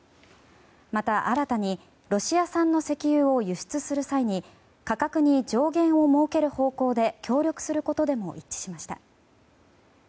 また、新たにロシア産の石油を輸出する際に価格に上限を設ける方向で協力することでも一致しました。